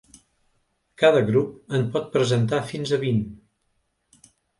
Cada grup en pot presentar fins a vint.